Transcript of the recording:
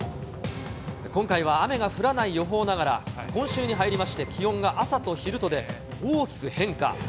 今回は雨が降らない予報ながら、今週に入りまして気温が朝と昼とで大きく変化。